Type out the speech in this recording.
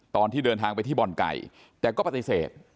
ตอนที่เดินทางไปที่บ่อนไก่แต่ก็ปฏิเสธ